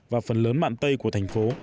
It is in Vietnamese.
và phần lớn mạng tây của thành phố